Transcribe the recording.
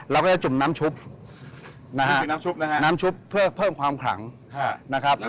เราก็จะจุ่มน้ำชุบนะฮะน้ำชุบเพื่อเพิ่มความขลังนะครับ